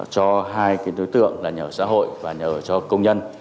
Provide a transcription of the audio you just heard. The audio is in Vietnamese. cho hai cái tối tượng là nhà ở xã hội và nhà ở cho công nhân